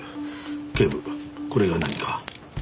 警部これが何か？